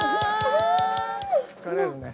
疲れるね。